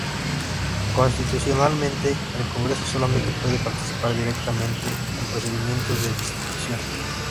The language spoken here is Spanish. Constitucionalmente, el Congreso solamente puede participar directamente en procedimientos de destitución.